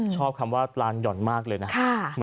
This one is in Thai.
ชอบคำว่าปลานหย่อนมากเลยนะ